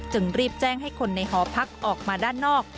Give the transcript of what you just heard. รีบแจ้งให้คนในหอพักออกมาด้านนอก